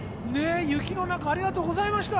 雪の中ありがとうございました！